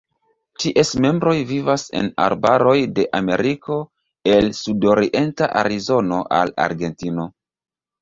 Ties membroj vivas en arbaroj de Ameriko el sudorienta Arizono al Argentino.